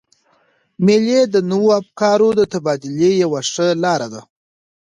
مېلې د نوو افکارو د تبادلې یوه ښه لاره ده.